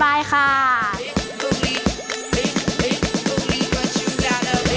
บ๊ายบายค่ะ